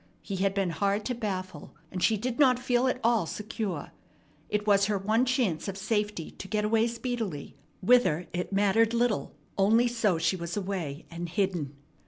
He had been hard to baffle, and she did not feel at all secure. It was her one chance of safety to get away speedily, whither it mattered little, only so she was away and hidden.